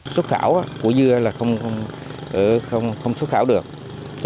số khảo của dưa là không số khảo được